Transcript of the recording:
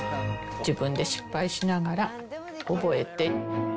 自分で失敗しながら覚えて。